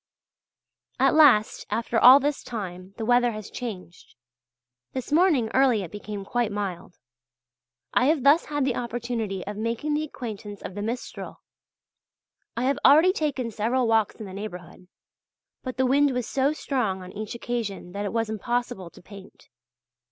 At last, after all this time, the weather has changed. This morning early it became quite mild. I have thus had the opportunity of making the acquaintance of the Mistral. I have already taken several walks in the neighbourhood; but the wind was so strong on each occasion that it was impossible to paint.